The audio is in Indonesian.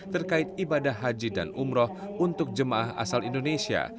terkait ibadah haji dan umroh untuk jemaah asal indonesia